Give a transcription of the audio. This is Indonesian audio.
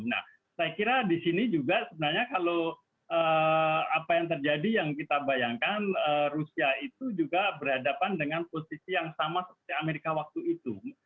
nah saya kira di sini juga sebenarnya kalau apa yang terjadi yang kita bayangkan rusia itu juga berhadapan dengan posisi yang sama seperti amerika waktu itu